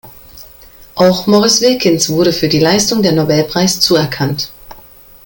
Auch Maurice Wilkins wurde für die Leistung der Nobelpreis zuerkannt.